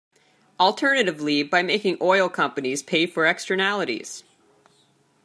Alternatively, by making oil companies pay for externalities.